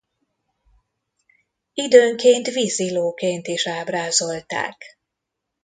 Időnként vízilóként is ábrázolták.